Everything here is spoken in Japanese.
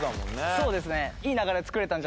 そうですね。